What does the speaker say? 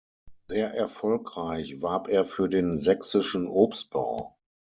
Sehr erfolgreich warb er für den sächsischen Obstbau.